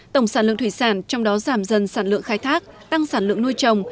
tổng sản lượng thủy sản trong đó giảm dần sản lượng khai thác tăng sản lượng nuôi trồng